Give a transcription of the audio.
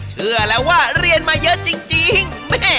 เชื่อแล้วว่าเรียนมาเยอะจริง